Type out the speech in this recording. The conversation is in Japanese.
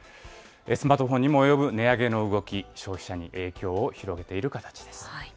スマートフォンにも及ぶ値上げの動き、消費者に影響を広げている形です。